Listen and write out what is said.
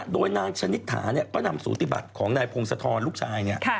โดยนางชนิษฐาเนี่ยก็นำสูติบัติของนายพงศธรลูกชายเนี่ย